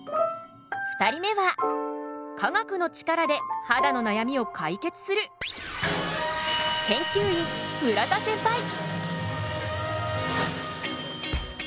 ２人目は科学のチカラで肌の悩みを解決する研究員村田センパイ。